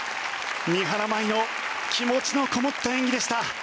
三原舞依の気持ちのこもった演技でした。